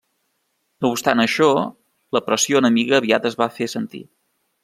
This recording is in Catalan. No obstant això, la pressió enemiga aviat es va fer sentir.